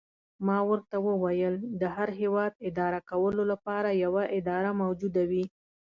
ما ورته وویل: د هر هیواد اداره کولو لپاره یوه اداره موجوده وي.